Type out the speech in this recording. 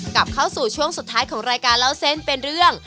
กลับเข้าสู่ช่วงสุดท้ายของรายการเล่าเส้นเป็นเรื่อง